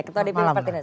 ketua dpp partai nasdem